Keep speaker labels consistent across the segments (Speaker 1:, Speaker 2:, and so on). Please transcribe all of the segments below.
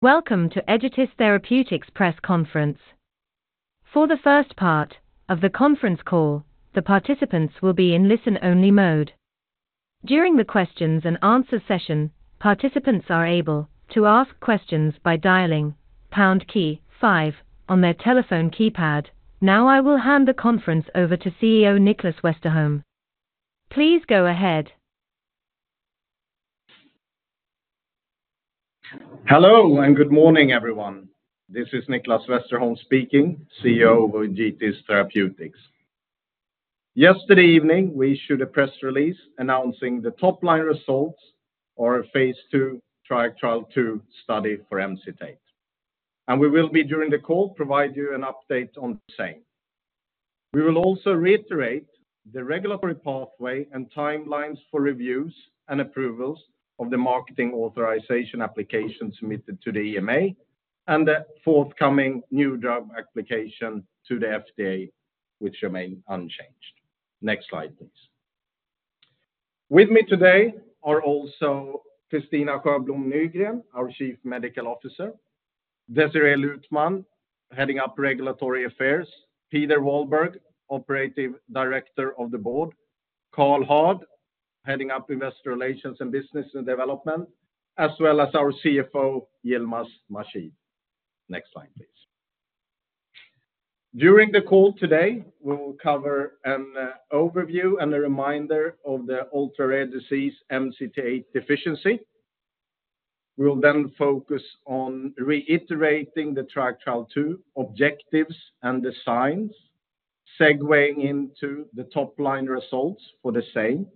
Speaker 1: Welcome to Egetis Therapeutics Press Conference. For the first part of the conference call, the participants will be in listen-only mode. During the Q&A session, participants are able to ask questions by dialing #5 on their telephone keypad. Now I will hand the conference over to CEO Niklas Westerholm. Please go ahead.
Speaker 2: Hello and good morning, everyone. This is Nicklas Westerholm speaking, CEO of Egetis Therapeutics. Yesterday evening, we issued a press release announcing the top-line results of our Phase II Triac Trial II study for Emcitate. We will be, during the call, providing you an update on the same. We will also reiterate the regulatory pathway and timelines for reviews and approvals of the marketing authorization application submitted to the EMA and the forthcoming new drug application to the FDA, which remain unchanged. Next slide, please. With me today are also Kristina Krook, our Chief Medical Officer; Desirée Luthman, Heading Up Regulatory Affairs; Peder Wahlberg, Operative Director of the Board; Karl Hård, Heading Up Investor Relations and Business Development; as well as our CFO, Yilmaz Mahshid. Next slide, please. During the call today, we will cover an overview and a reminder of the Ultra-Rare Disease MCT8 deficiency. We will then focus on reiterating the Triac Trial II objectives and the signs, segueing into the top-line results for the same,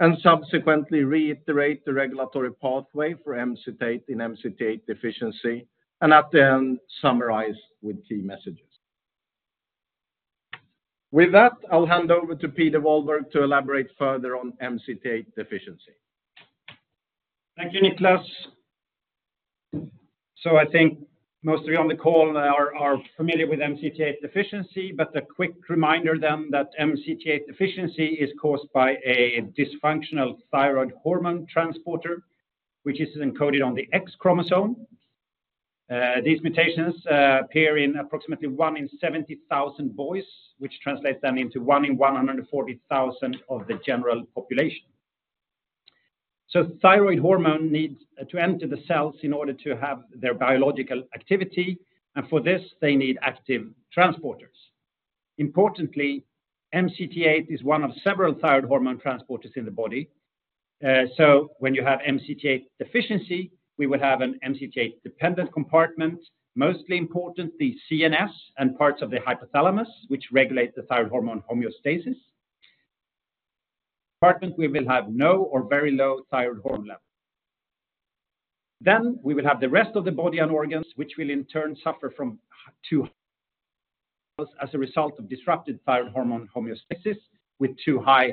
Speaker 2: and subsequently reiterate the regulatory pathway for Emcitate in MCT8 deficiency, and at the end, summarize with key messages. With that, I'll hand over to Peder Walberg to elaborate further on MCT8 deficiency.
Speaker 3: Thank you, Niklas. So I think most of you on the call are familiar with MCT8 deficiency, but a quick reminder then that MCT8 deficiency is caused by a dysfunctional thyroid hormone transporter, which is encoded on the X chromosome. These mutations appear in approximately 1 in 70,000 boys, which translates then into 1 in 140,000 of the general population. So thyroid hormone needs to enter the cells in order to have their biological activity, and for this, they need active transporters. Importantly, MCT8 is one of several thyroid hormone transporters in the body. So when you have MCT8 deficiency, we will have an MCT8-dependent compartment, most importantly CNS and parts of the hypothalamus, which regulate the thyroid hormone homeostasis. We will have no or very low thyroid hormone level. Then we will have the rest of the body and organs, which will in turn suffer from too high thyroid hormone levels as a result of disrupted thyroid hormone homeostasis, with too high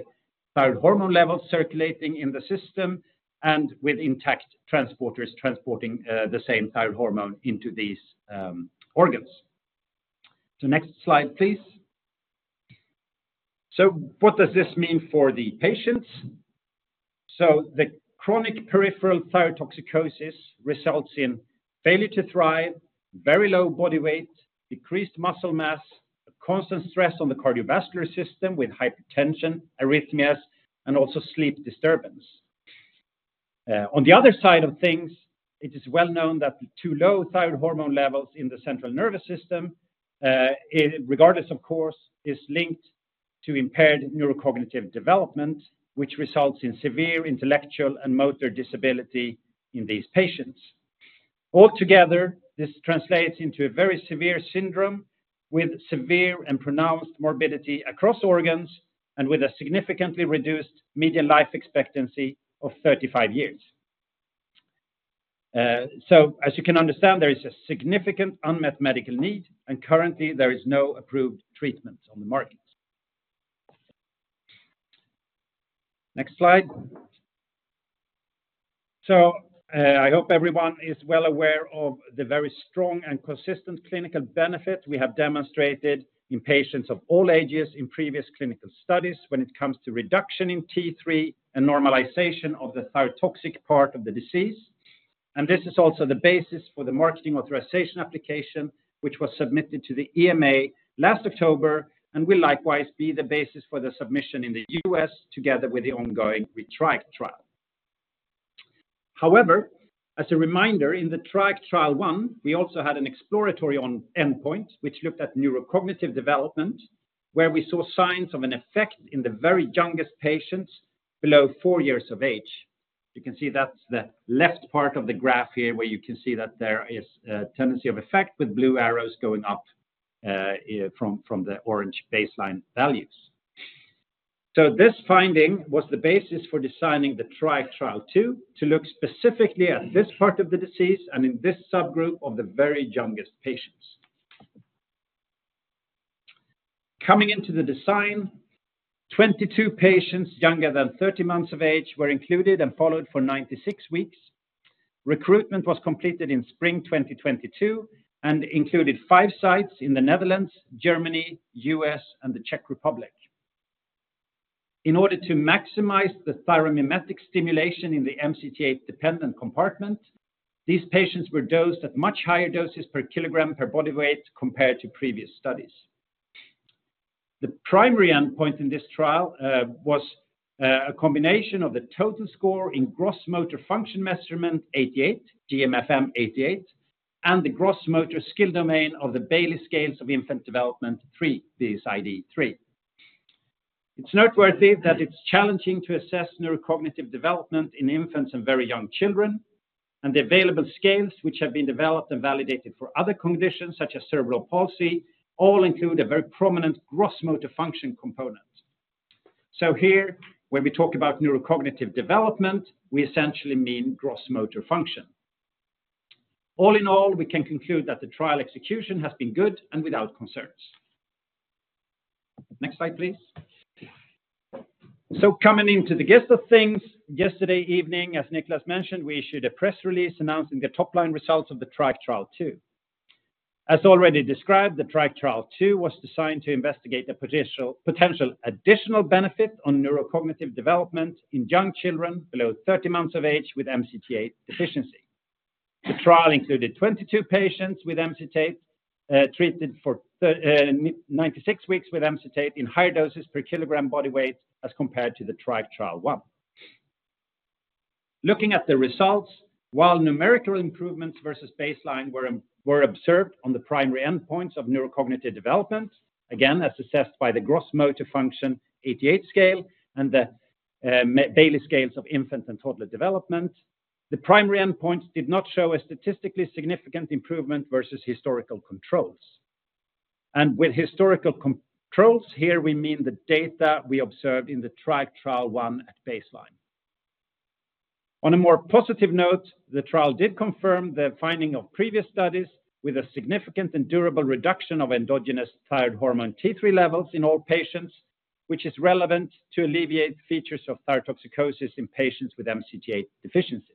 Speaker 3: thyroid hormone levels circulating in the system and with intact transporters transporting the same thyroid hormone into these organs. So next slide, please. So what does this mean for the patients? So the chronic peripheral thyrotoxicosis results in failure to thrive, very low body weight, decreased muscle mass, constant stress on the cardiovascular system with hypertension, arrhythmias, and also sleep disturbance. On the other side of things, it is well known that too low thyroid hormone levels in the central nervous system, regardless of course, is linked to impaired neurocognitive development, which results in severe intellectual and motor disability in these patients. Altogether, this translates into a very severe syndrome with severe and pronounced morbidity across organs and with a significantly reduced median life expectancy of 35 years. So as you can understand, there is a significant unmet medical need, and currently there is no approved treatment on the market. Next slide. So I hope everyone is well aware of the very strong and consistent clinical benefit we have demonstrated in patients of all ages in previous clinical studies when it comes to reduction in T3 and normalization of the thyrotoxic part of the disease. And this is also the basis for the marketing authorization application, which was submitted to the EMA last October and will likewise be the basis for the submission in the U.S. together with the ongoing Triac Trial. However, as a reminder, in the Triac Trial I, we also had an exploratory endpoint, which looked at neurocognitive development, where we saw signs of an effect in the very youngest patients below 4 years of age. You can see that's the left part of the graph here where you can see that there is a tendency of effect with blue arrows going up from the orange baseline values. So this finding was the basis for designing the Triac Trial II to look specifically at this part of the disease and in this subgroup of the very youngest patients. Coming into the design, 22 patients younger than 30 months of age were included and followed for 96 weeks. Recruitment was completed in spring 2022 and included 5 sites in the Netherlands, Germany, US, and the Czech Republic. In order to maximize the thyromimetic stimulation in the MCT8-dependent compartment, these patients were dosed at much higher doses per kilogram per body weight compared to previous studies. The primary endpoint in this trial was a combination of the total score in Gross Motor Function Measure-88, GMFM-88, and the gross motor skill domain of the Bayley Scales of Infant Development 3, BSID-III. It's noteworthy that it's challenging to assess neurocognitive development in infants and very young children, and the available scales which have been developed and validated for other conditions such as cerebral palsy all include a very prominent gross motor function component. So here, when we talk about neurocognitive development, we essentially mean gross motor function. All in all, we can conclude that the trial execution has been good and without concerns. Next slide, please. So coming into the gist of things, yesterday evening, as Niklas mentioned, we issued a press release announcing the top-line results of the Triac Trial II. As already described, the Triac Trial II was designed to investigate the potential additional benefit on neurocognitive development in young children below 30 months of age with MCT8 deficiency. The trial included 22 patients treated for 96 weeks with Triac in higher doses per kilogram body weight as compared to the Triac Trial I. Looking at the results, while numerical improvements versus baseline were observed on the primary endpoints of neurocognitive development, again, as assessed by the Gross Motor Function Measure-88 scale and the Bayley Scales of Infant and Toddler Development, the primary endpoints did not show a statistically significant improvement versus historical controls. And with historical controls, here we mean the data we observed in the Triac Trial I at baseline. On a more positive note, the trial did confirm the finding of previous studies with a significant and durable reduction of endogenous thyroid hormone T3 levels in all patients, which is relevant to alleviate features of thyrotoxicosis in patients with MCT8 deficiency.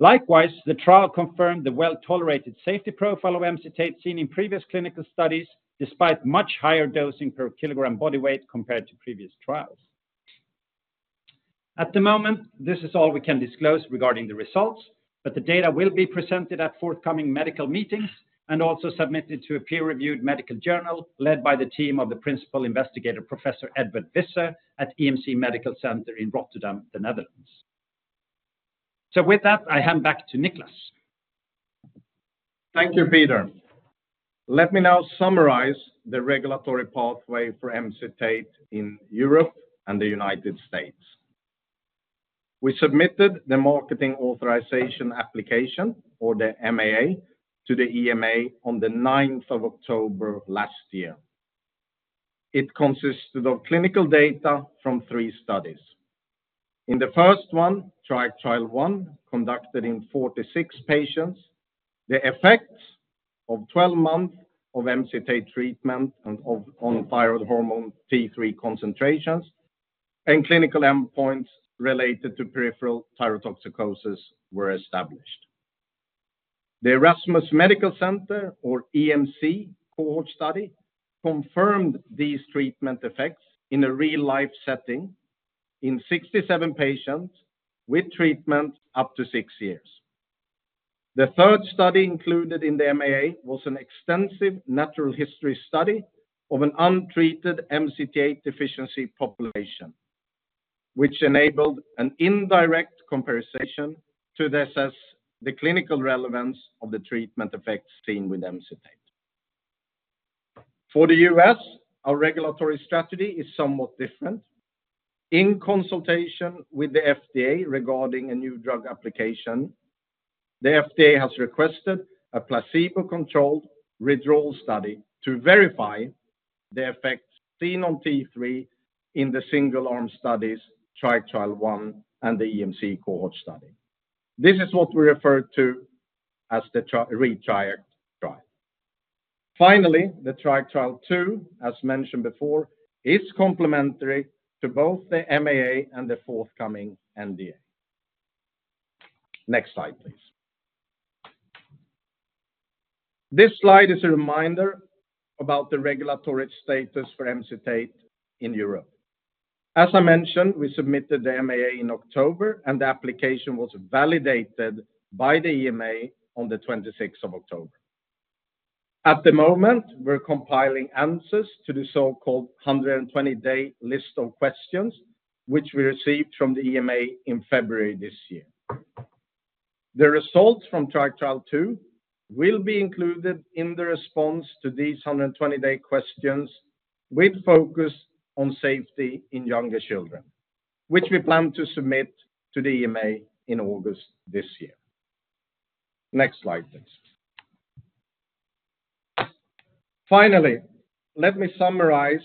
Speaker 3: Likewise, the trial confirmed the well-tolerated safety profile of Emcitate seen in previous clinical studies despite much higher dosing per kilogram body weight compared to previous trials. At the moment, this is all we can disclose regarding the results, but the data will be presented at forthcoming medical meetings and also submitted to a peer-reviewed medical journal led by the team of the principal investigator, Professor Edward Visser, at Erasmus MC in Rotterdam, the Netherlands. So with that, I hand back to Niklas.
Speaker 2: Thank you, Peder. Let me now summarize the regulatory pathway for MCT8 in Europe and the United States. We submitted the marketing authorization application, or the MAA, to the EMA on the 9th of October last year. It consisted of clinical data from 3 studies. In the first one, Triac Trial I, conducted in 46 patients, the effects of 12 months of MCT8 treatment and on thyroid hormone T3 concentrations and clinical endpoints related to peripheral thyrotoxicosis were established. The Erasmus Medical Center, or Erasmus MC cohort study, confirmed these treatment effects in a real-life setting in 67 patients with treatment up to 6 years. The third study included in the MAA was an extensive natural history study of an untreated MCT8 deficiency population, which enabled an indirect comparison to assess the clinical relevance of the treatment effects seen with Emcitate. For the US, our regulatory strategy is somewhat different. In consultation with the FDA regarding a new drug application, the FDA has requested a placebo-controlled withdrawal study to verify the effects seen on T3 in the single-arm studies, Triac Trial I and the Emcitate cohort study. This is what we refer to as the ReTRIACt trial. Finally, the Triac Trial II, as mentioned before, is complementary to both the MAA and the forthcoming NDA. Next slide, please. This slide is a reminder about the regulatory status for MCT8 in Europe. As I mentioned, we submitted the MAA in October, and the application was validated by the EMA on the 26th of October. At the moment, we're compiling answers to the so-called 120-day list of questions, which we received from the EMA in February this year. The results from triac Trial II will be included in the response to these 120-day questions with focus on safety in younger children, which we plan to submit to the EMA in August this year. Next slide, please. Finally, let me summarize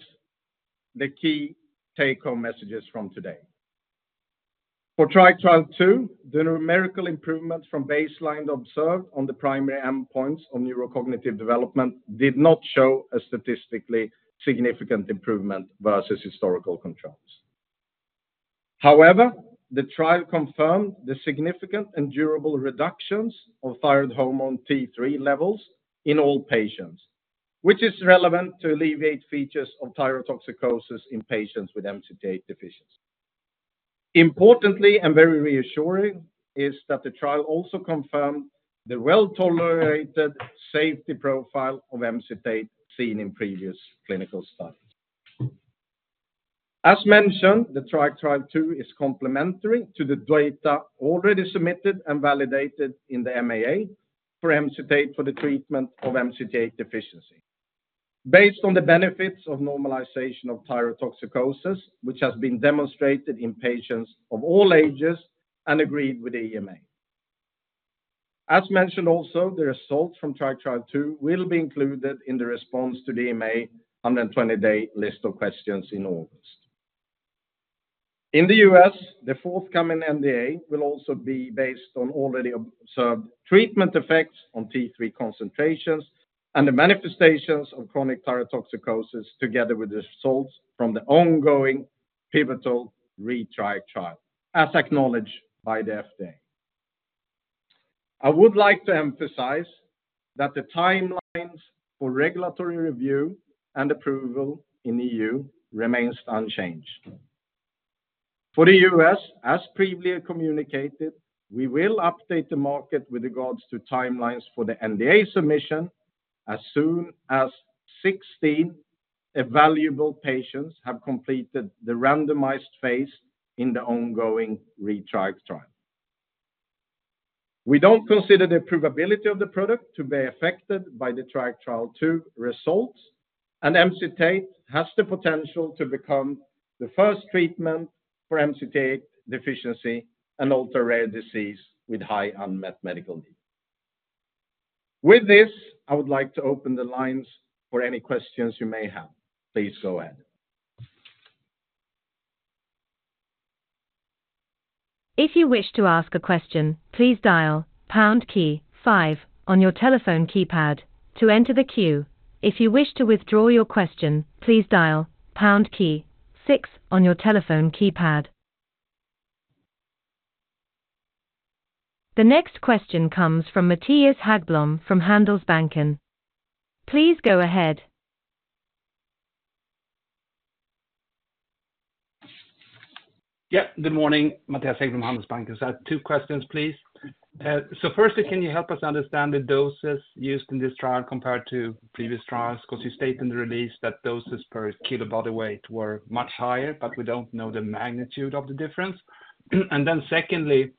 Speaker 2: the key take-home messages from today. For triac Trial II, the numerical improvement from baseline observed on the primary endpoints of neurocognitive development did not show a statistically significant improvement versus historical controls. However, the trial confirmed the significant and durable reductions of thyroid hormone T3 levels in all patients, which is relevant to alleviate features of thyrotoxicosis in patients with MCT8 deficiency. Importantly and very reassuring is that the trial also confirmed the well-tolerated safety profile of MCT8 seen in previous clinical studies. As mentioned, the Triac Trial II is complementary to the data already submitted and validated in the MAA for MCT8 for the treatment of MCT8 deficiency, based on the benefits of normalization of thyrotoxicosis, which has been demonstrated in patients of all ages and agreed with the EMA. As mentioned also, the results from Triac Trial II will be included in the response to the EMA 120-day list of questions in August. In the US, the forthcoming NDA will also be based on already observed treatment effects on T3 concentrations and the manifestations of chronic thyrotoxicosis together with the results from the ongoing pivotal ReTRIACt trial, as acknowledged by the FDA. I would like to emphasize that the timelines for regulatory review and approval in the EU remain unchanged. For the U.S., as previously communicated, we will update the market with regards to timelines for the NDA submission as soon as 16 evaluable patients have completed the randomized phase in the ongoing ReTRIACt trial. We don't consider the probability of the product to be affected by the Triac Trial II results, and Emcitate has the potential to become the first treatment for MCT8 deficiency and ultra-rare disease with high unmet medical need. With this, I would like to open the lines for any questions you may have. Please go ahead.
Speaker 1: If you wish to ask a question, please dial pound key five on your telephone keypad to enter the queue. If you wish to withdraw your question, please dial pound key six on your telephone keypad. The next question comes from Mattias Häggblom from Handelsbanken. Please go ahead.
Speaker 4: Yeah, good morning, Mattias Häggblom from Handelsbanken. So I have two questions, please. So firstly, can you help us understand the doses used in this trial compared to previous trials? Because you state in the release that doses per kilo body weight were much higher, but we don't know the magnitude of the difference. And then secondly,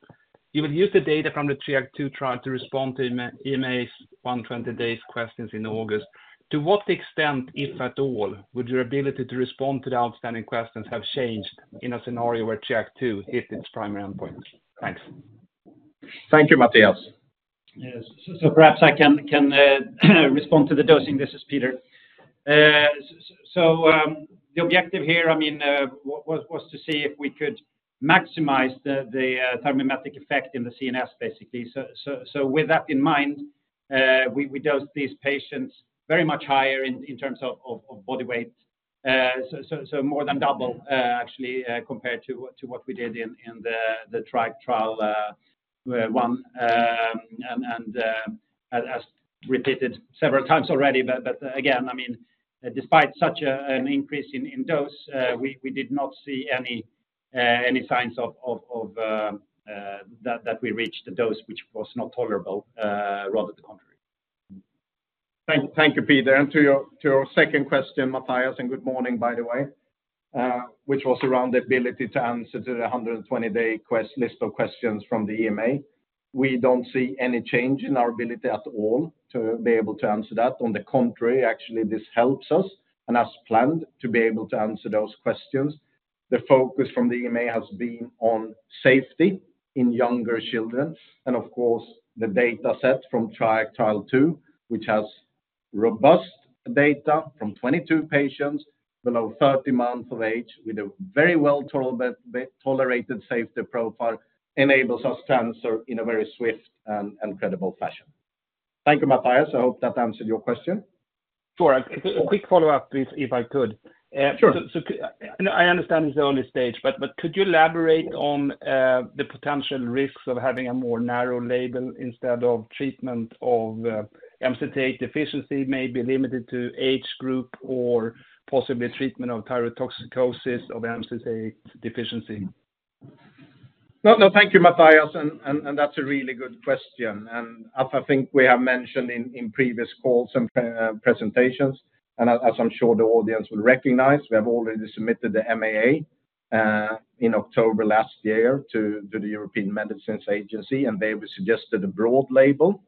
Speaker 4: you will use the data from the Triac Trial II to respond to EMA's 120-day questions in August. To what extent, if at all, would your ability to respond to the outstanding questions have changed in a scenario where Triac Trial II hit its primary endpoint? Thanks.
Speaker 2: Thank you, Mattias.
Speaker 3: Yes, so perhaps I can respond to the dosing. This is Peder. So the objective here, I mean, was to see if we could maximize the thyromimetic effect in the CNS, basically. So with that in mind, we dosed these patients very much higher in terms of body weight, so more than double, actually, compared to what we did in the Triac Trial I. And as repeated several times already, but again, I mean, despite such an increase in dose, we did not see any signs that we reached the dose, which was not tolerable, rather the contrary.
Speaker 2: Thank you, Peder. To your second question, Mattias, and good morning, by the way, which was around the ability to answer the 120-day list of questions from the EMA, we don't see any change in our ability at all to be able to answer that. On the contrary, actually, this helps us and has planned to be able to answer those questions. The focus from the EMA has been on safety in younger children. And of course, the data set from Triac Trial II, which has robust data from 22 patients below 30 months of age with a very well-tolerated safety profile, enables us to answer in a very swift and credible fashion. Thank you, Mattias. I hope that answered your question.
Speaker 4: Sure. A quick follow-up, please, if I could.
Speaker 2: Sure.
Speaker 4: So, I understand it's early stage, but could you elaborate on the potential risks of having a more narrow label instead of treatment of MCT8 deficiency, maybe limited to age group or possibly treatment of thyrotoxicosis of MCT8 deficiency?
Speaker 2: No, no, thank you, Mattias. That's a really good question. As I think we have mentioned in previous calls and presentations, and as I'm sure the audience will recognize, we have already submitted the MAA in October last year to the European Medicines Agency, and they suggested a broad label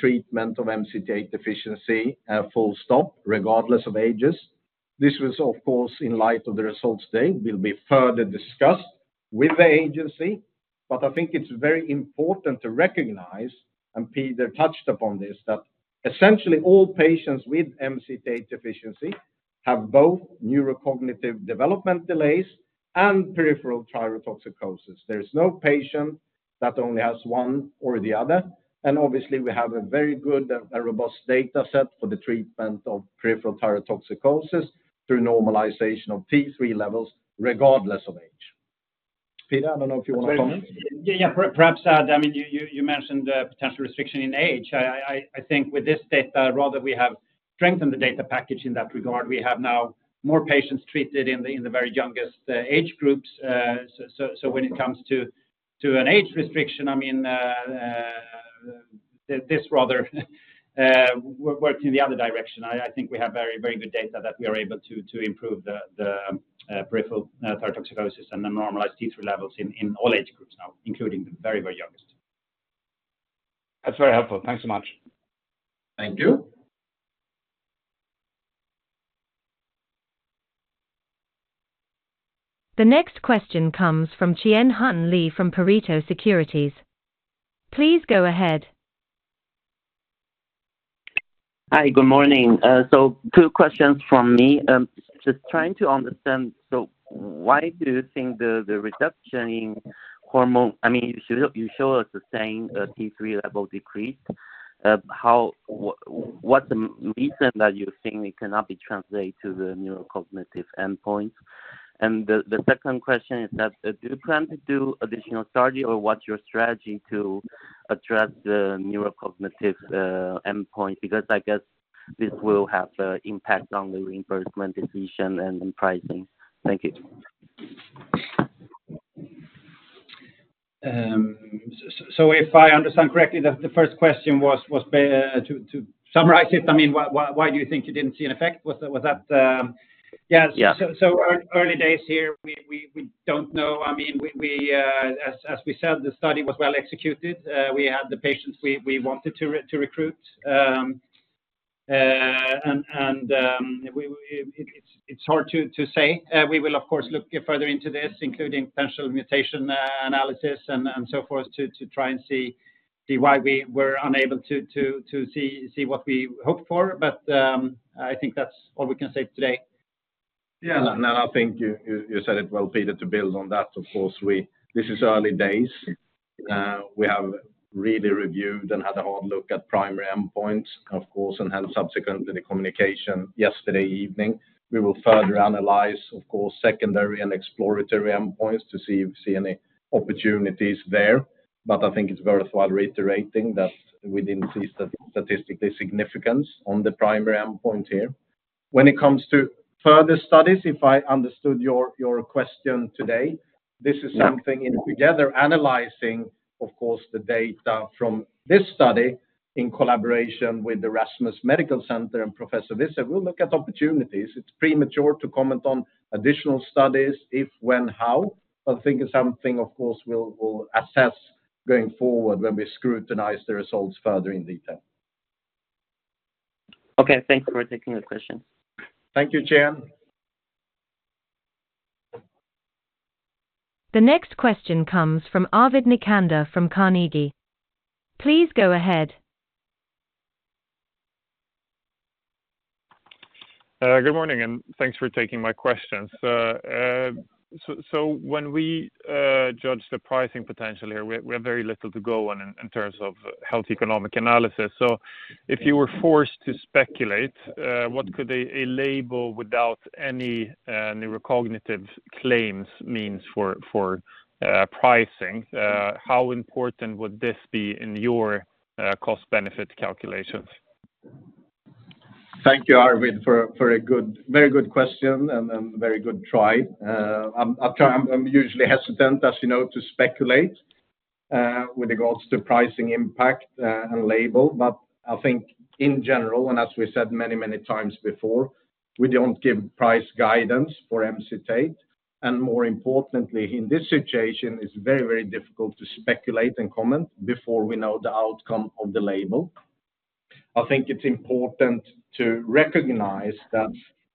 Speaker 2: treatment of MCT8 deficiency full stop, regardless of ages. This was, of course, in light of the results today, will be further discussed with the agency. But I think it's very important to recognize, and Peder touched upon this, that essentially all patients with MCT8 deficiency have both neurocognitive development delays and peripheral thyrotoxicosis. There is no patient that only has one or the other. And obviously, we have a very good and robust data set for the treatment of peripheral thyrotoxicosis through normalization of T3 levels regardless of age. Peder, I don't know if you want to comment.
Speaker 3: Yeah, perhaps. I mean, you mentioned potential restriction in age. I think with this data, rather we have strengthened the data package in that regard. We have now more patients treated in the very youngest age groups. So when it comes to an age restriction, I mean, this rather works in the other direction. I think we have very, very good data that we are able to improve the peripheral thyrotoxicosis and normalize T3 levels in all age groups now, including the very, very youngest.
Speaker 2: That's very helpful. Thanks so much.
Speaker 3: Thank you.
Speaker 1: The next question comes from Chien-Hsun Lee from Pareto Securities. Please go ahead.
Speaker 5: Hi, good morning. So two questions from me. Just trying to understand, so why do you think the reduction in hormone, I mean, you show us the same T3 level decrease. What's the reason that you think it cannot be translated to the neurocognitive endpoint? And the second question is that do you plan to do additional study or what's your strategy to address the neurocognitive endpoint? Because I guess this will have an impact on the reimbursement decision and pricing. Thank you.
Speaker 3: If I understand correctly, the first question was to summarize it, I mean, why do you think you didn't see an effect? Was that?
Speaker 5: Yeah.
Speaker 3: Yeah. So early days here, we don't know. I mean, as we said, the study was well executed. We had the patients we wanted to recruit. And it's hard to say. We will, of course, look further into this, including potential mutation analysis and so forth to try and see why we were unable to see what we hoped for. But I think that's all we can say today.
Speaker 2: Yeah, and I think you said it well, Peder, to build on that. Of course, this is early days. We have really reviewed and had a hard look at primary endpoints, of course, and had subsequently the communication yesterday evening. We will further analyze, of course, secondary and exploratory endpoints to see any opportunities there. But I think it's worthwhile reiterating that we didn't see statistical significance on the primary endpoint here. When it comes to further studies, if I understood your question today, this is something in together analyzing, of course, the data from this study in collaboration with the Erasmus Medical Center and Professor Visser, we'll look at opportunities. It's premature to comment on additional studies, if, when, how. But I think it's something, of course, we'll assess going forward when we scrutinize the results further in detail.
Speaker 5: Okay, thanks for taking the question.
Speaker 2: Thank you, Qian.
Speaker 1: The next question comes from Arvid Necander from Carnegie. Please go ahead.
Speaker 6: Good morning, and thanks for taking my questions. So when we judge the pricing potential here, we have very little to go on in terms of health economic analysis. So if you were forced to speculate, what could a label without any neurocognitive claims mean for pricing? How important would this be in your cost-benefit calculations?
Speaker 2: Thank you, Arvid, for a very good question and a very good try. I'm usually hesitant, as you know, to speculate with regards to pricing impact and label. But I think in general, and as we said many, many times before, we don't give price guidance for MCT8. And more importantly, in this situation, it's very, very difficult to speculate and comment before we know the outcome of the label. I think it's important to recognize that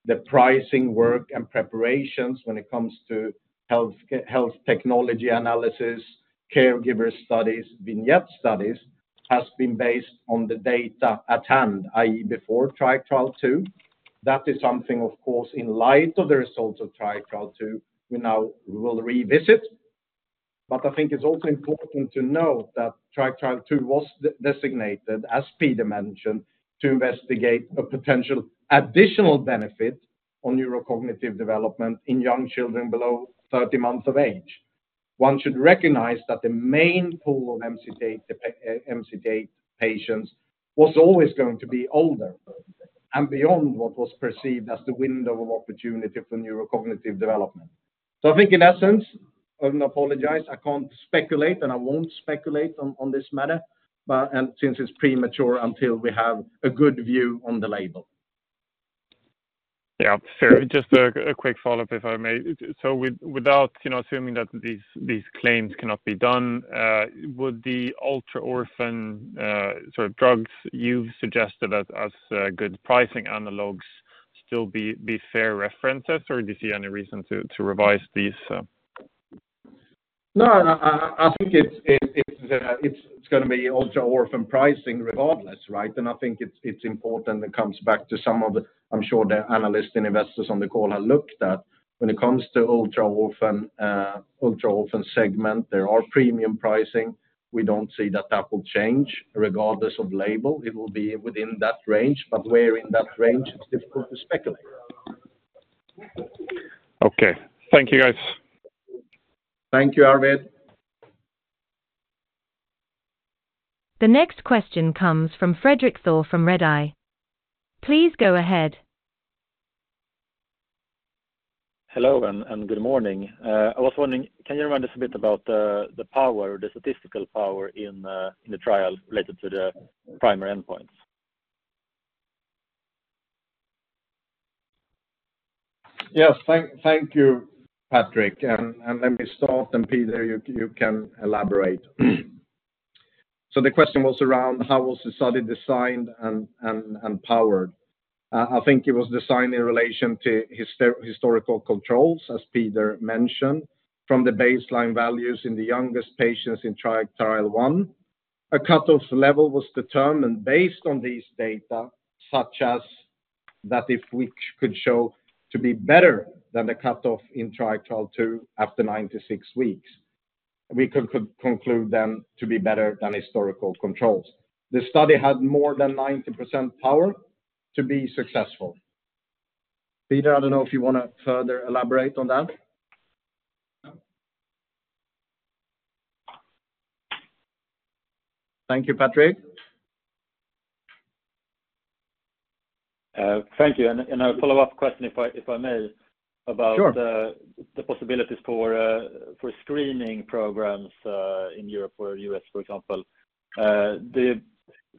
Speaker 2: the pricing work and preparations when it comes to health technology analysis, caregiver studies, vignette studies has been based on the data at hand, i.e., before triac Trial II. That is something, of course, in light of the results of triac Trial II, we now will revisit. But I think it's also important to note that Triac Trial II was designated, as Peder mentioned, to investigate a potential additional benefit on neurocognitive development in young children below 30 months of age. One should recognize that the main pool of MCT8 patients was always going to be older and beyond what was perceived as the window of opportunity for neurocognitive development. So I think in essence, I apologize, I can't speculate and I won't speculate on this matter, but since it's premature until we have a good view on the label.
Speaker 6: Yeah, fair. Just a quick follow-up, if I may. So without assuming that these claims cannot be done, would the ultra-orphan sort of drugs you've suggested as good pricing analogs still be fair references, or do you see any reason to revise these?
Speaker 2: No, I think it's going to be ultra-orphan pricing regardless, right? And I think it's important that comes back to some of the, I'm sure the analysts and investors on the call have looked at. When it comes to ultra-orphan segment, there are premium pricing. We don't see that that will change regardless of label. It will be within that range. But where in that range, it's difficult to speculate.
Speaker 6: Okay. Thank you, guys.
Speaker 2: Thank you, Arvid.
Speaker 3: The next question comes from Fredrik Thor from Redeye. Please go ahead.
Speaker 7: Hello and good morning. I was wondering, can you remind us a bit about the power, the statistical power in the trial related to the primary endpoints?
Speaker 2: Yes, thank you, Fredrik. And let me start, and Peder, you can elaborate. So the question was around how was the study designed and powered. I think it was designed in relation to historical controls, as Peder mentioned, from the baseline values in the youngest patients in Triac Trial I. A cut-off level was determined based on these data, such as that if we could show to be better than the cut-off in Triac Trial II after 96 weeks, we could conclude then to be better than historical controls. The study had more than 90% power to be successful. Peder, I don't know if you want to further elaborate on that. Thank you, Fredrik.
Speaker 7: Thank you. A follow-up question, if I may, about the possibilities for screening programs in Europe or U.S., for example. Do you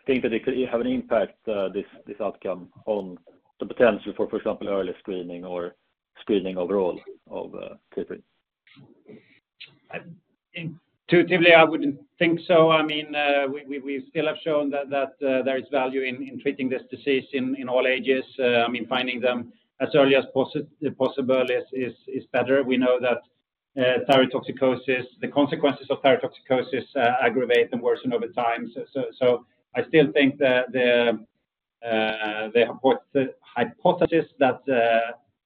Speaker 7: think that it could have an impact, this outcome, on the potential for, for example, early screening or screening overall of people?
Speaker 3: Intuitively, I wouldn't think so. I mean, we still have shown that there is value in treating this disease in all ages. I mean, finding them as early as possible is better. We know that thyrotoxicosis, the consequences of thyrotoxicosis aggravate and worsen over time. So I still think the hypothesis that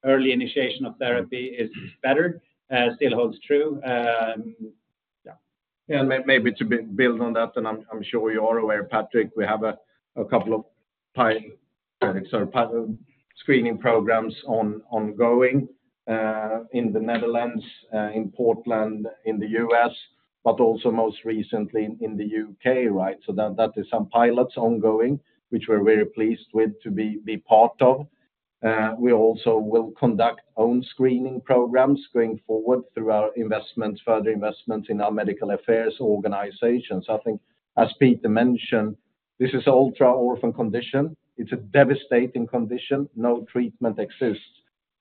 Speaker 3: early initiation of therapy is better still holds true. Yeah.
Speaker 2: Yeah, and maybe to build on that, and I'm sure you are aware, Fredrik, we have a couple of screening programs ongoing in the Netherlands, in Portland, in the US, but also most recently in the UK, right? So that is some pilots ongoing, which we're very pleased with to be part of. We also will conduct own screening programs going forward through our investments, further investments in our medical affairs organizations. I think, as Peder mentioned, this is an ultra-orphan condition. It's a devastating condition. No treatment exists.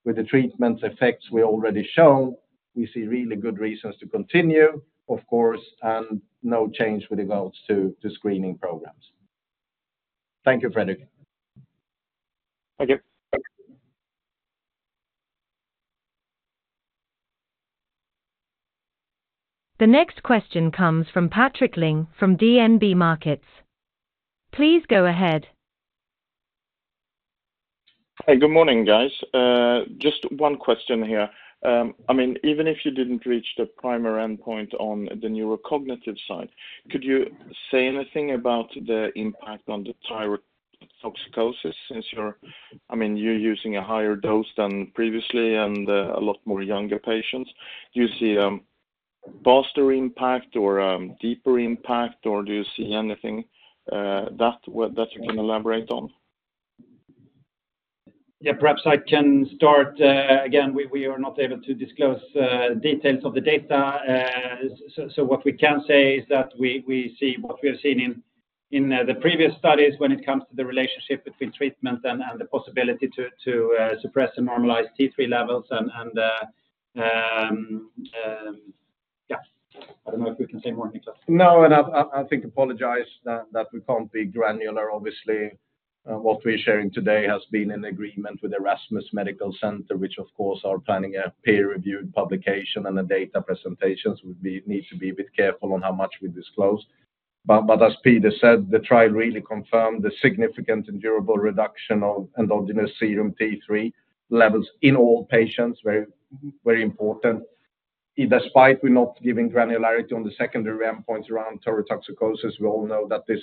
Speaker 2: With the treatment effects we already show, we see really good reasons to continue, of course, and no change with regards to screening programs. Thank you, Fredrik.
Speaker 7: Thank you.
Speaker 1: The next question comes from Patrik Ling from DNB Markets. Please go ahead.
Speaker 8: Hi, good morning, guys. Just one question here. I mean, even if you didn't reach the primary endpoint on the neurocognitive side, could you say anything about the impact on the thyrotoxicosis since you're, I mean, you're using a higher dose than previously and a lot more younger patients? Do you see a faster impact or a deeper impact, or do you see anything that you can elaborate on?
Speaker 3: Yeah, perhaps I can start. Again, we are not able to disclose details of the data. So what we can say is that we see what we have seen in the previous studies when it comes to the relationship between treatment and the possibility to suppress and normalize T3 levels. And yeah, I don't know if we can say more, Niklas.
Speaker 2: No, and I think I apologize that we can't be granular, obviously. What we're sharing today has been in agreement with Erasmus Medical Center, which, of course, is planning a peer-reviewed publication and the data presentations. We need to be a bit careful on how much we disclose. But as Peder said, the trial really confirmed the significant and durable reduction of endogenous serum T3 levels in all patients, very important. Despite we not giving granularity on the secondary endpoints around thyrotoxicosis, we all know that this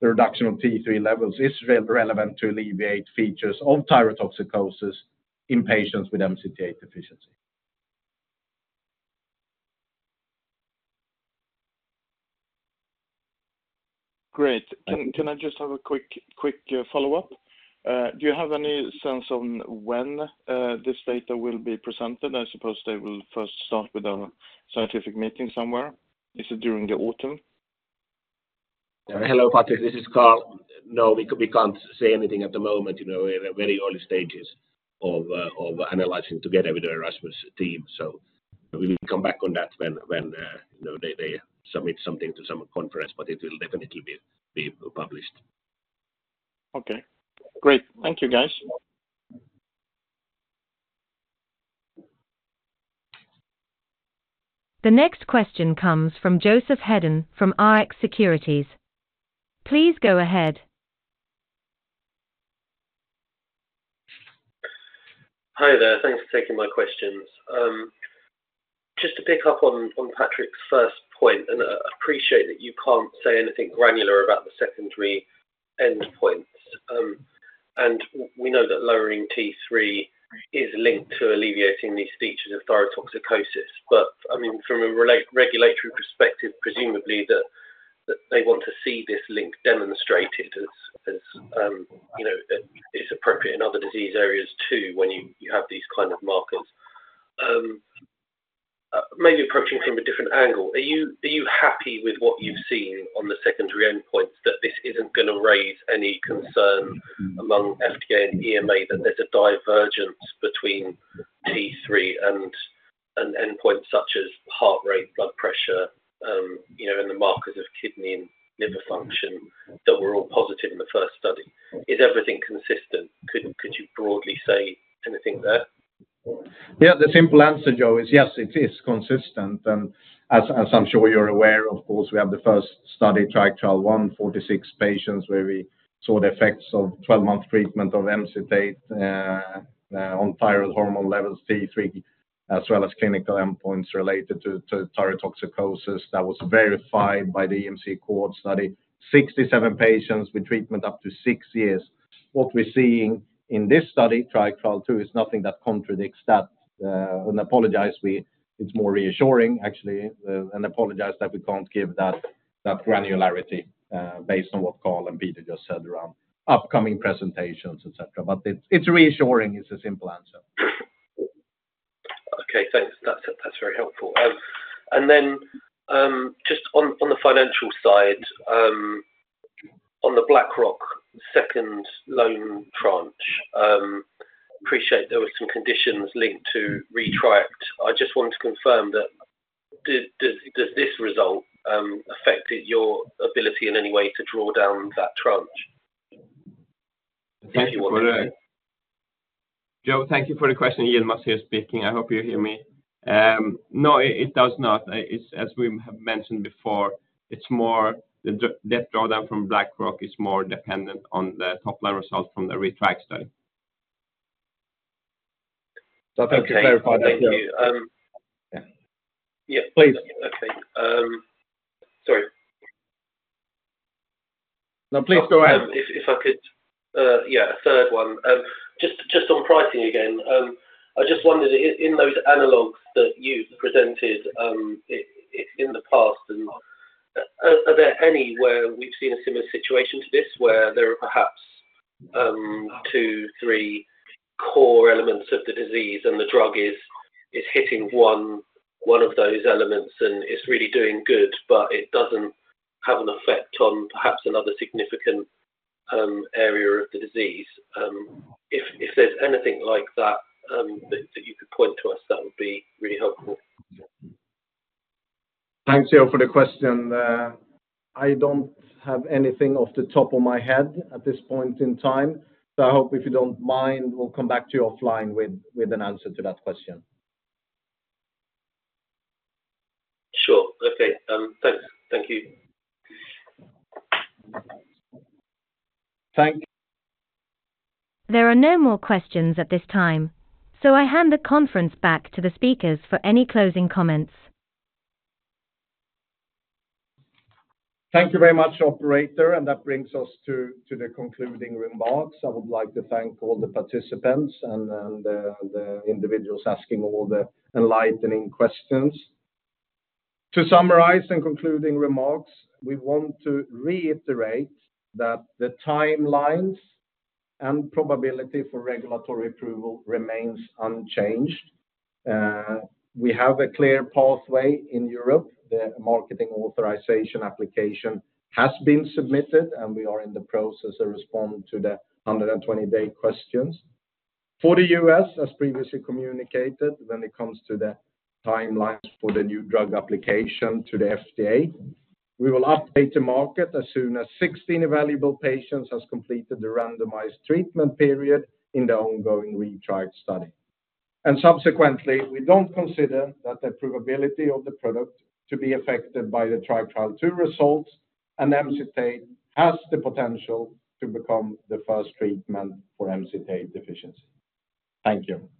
Speaker 2: reduction of T3 levels is relevant to alleviate features of thyrotoxicosis in patients with MCT8 deficiency.
Speaker 8: Great. Can I just have a quick follow-up? Do you have any sense on when this data will be presented? I suppose they will first start with a scientific meeting somewhere. Is it during the autumn?
Speaker 9: Hello, Patrik. This is Karl. No, we can't say anything at the moment. We're in very early stages of analyzing together with the Erasmus team. So we will come back on that when they submit something to some conference, but it will definitely be published.
Speaker 8: Okay. Great. Thank you, guys.
Speaker 1: The next question comes from Joseph Hedden from RX Securities. Please go ahead.
Speaker 10: Hi there. Thanks for taking my questions. Just to pick up onFredrik's first point, and I appreciate that you can't say anything granular about the secondary endpoints. And we know that lowering T3 is linked to alleviating these features of thyrotoxicosis. But I mean, from a regulatory perspective, presumably that they want to see this link demonstrated as it's appropriate in other disease areas too when you have these kind of markers. Maybe approaching from a different angle, are you happy with what you've seen on the secondary endpoints that this isn't going to raise any concern among FDA and EMA that there's a divergence between T3 and endpoints such as heart rate, blood pressure, and the markers of kidney and liver function that were all positive in the first study? Is everything consistent? Could you broadly say anything there?
Speaker 2: Yeah, the simple answer, Joe, is yes, it is consistent. And as I'm sure you're aware, of course, we have the first study, Triac Trial one, 46 patients where we saw the effects of 12-month treatment of MCT8 on thyroid hormone levels, T3, as well as clinical endpoints related to thyrotoxicosis that was verified by the EMC cohort study, 67 patients with treatment up to six years. What we're seeing in this study, triac Trial II, is nothing that contradicts that. And I apologize, it's more reassuring, actually. And I apologize that we can't give that granularity based on what Karl and Peder just said around upcoming presentations, etc. But it's reassuring is the simple answer.
Speaker 10: Okay, thanks. That's very helpful. And then just on the financial side, on the BlackRock second loan tranche, I appreciate there were some conditions linked to ReTRIACt. I just want to confirm that does this result affect your ability in any way to draw down that tranche?
Speaker 11: Thank you for the question. Yilmaz here speaking. I hope you hear me. No, it does not. As we have mentioned before, that drawdown from BlackRock is more dependent on the top-line result from the ReTRIACt study.
Speaker 10: So I'd like to clarify that. Yeah, please. Sorry.
Speaker 2: No, please go ahead.
Speaker 10: If I could, yeah, third one. Just on pricing again, I just wondered, in those analogs that you've presented in the past, are there any where we've seen a similar situation to this where there are perhaps two, three core elements of the disease and the drug is hitting one of those elements and it's really doing good, but it doesn't have an effect on perhaps another significant area of the disease? If there's anything like that that you could point to us, that would be really helpful.
Speaker 2: Thanks, Joe, for the question. I don't have anything off the top of my head at this point in time. So I hope if you don't mind, we'll come back to you offline with an answer to that question.
Speaker 10: Sure. Okay. Thanks. Thank you.
Speaker 2: Thank you.
Speaker 1: There are no more questions at this time, so I hand the conference back to the speakers for any closing comments.
Speaker 2: Thank you very much, Operator. That brings us to the concluding remarks. I would like to thank all the participants and the individuals asking all the enlightening questions. To summarize in concluding remarks, we want to reiterate that the timelines and probability for regulatory approval remains unchanged. We have a clear pathway in Europe. The marketing authorization application has been submitted, and we are in the process of responding to the 120-day questions. For the US, as previously communicated, when it comes to the timelines for the new drug application to the FDA, we will update the market as soon as 16 available patients have completed the randomized treatment period in the ongoing ReTRIACt study. Subsequently, we don't consider that the probability of the product to be affected by the Triac Trial II results, and MCT8 has the potential to become the first treatment for MCT8 deficiency. Thank you.